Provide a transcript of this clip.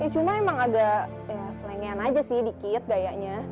cuma emang agak ya selengean aja sih dikit gayanya